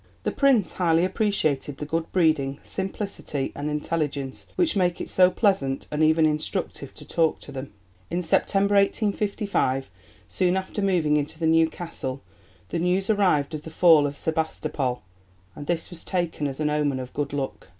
The Prince highly appreciated the good breeding, simplicity, and intelligence, which make it so pleasant, and even instructive to talk to them." In September 1855, soon after moving into the new castle, the news arrived of the fall of Sebastopol, and this was taken as an omen of good luck.